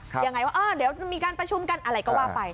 ยังไงว่าเออเดี๋ยวมีการประชุมกันอะไรก็ว่าไป